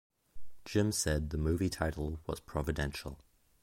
Jim said the movie title was Providential.